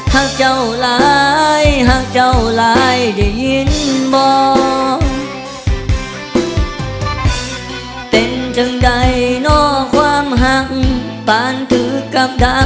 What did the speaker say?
หากเจ้าหลายหักเจ้าหลายได้ยินบอก